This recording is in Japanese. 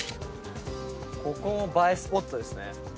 ここも映えスポットですね。